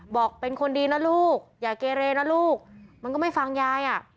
บอกเป็นคนดีนะลูกอย่าเกเรนะลูกมันก็ไม่ฟังยายอ่ะ